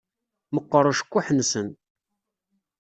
Meqqeṛ ucekkuḥ-nsen.